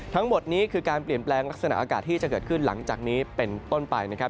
ทั้งหมดนี้คือการเปลี่ยนแปลงลักษณะอากาศที่จะเกิดขึ้นหลังจากนี้เป็นต้นไปนะครับ